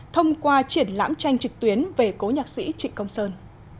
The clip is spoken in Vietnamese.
thông qua triển lãm tranh trực tuyến về cố nhạc sĩ trịnh công sơn